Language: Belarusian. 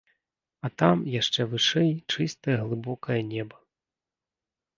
А там, яшчэ вышэй, чыстае глыбокае неба.